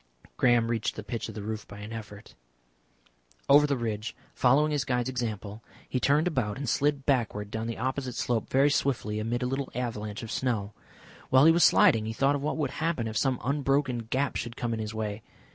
Graham reached the pitch of the roof by an effort. Over the ridge, following his guide's example, he turned about and slid backward down the opposite slope very swiftly, amid a little avalanche of snow. While he was sliding he thought of what would happen if some broken gap should come in his way.